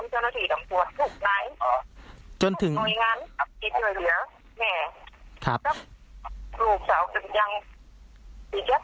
แต่ก็จะเกิดเป็นแบบครอบครองดีครับ